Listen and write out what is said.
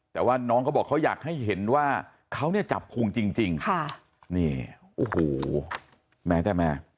แต่ว่าน้องเขาบอกเขาอยากให้เห็นว่าเขาเนี่ยจับพุงจริงค่ะนี่โอ้โหแม้แต่แม่